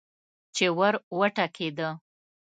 چې ور وټکېده.